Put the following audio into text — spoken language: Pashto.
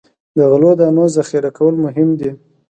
د غلو دانو ذخیره کول مهم دي.